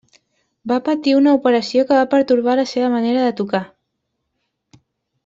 Va patir una operació que va pertorbar la seva manera de tocar.